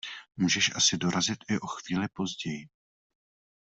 Můžeš asi dorazit i o chvíli později.